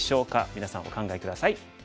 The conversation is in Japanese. みなさんお考え下さい。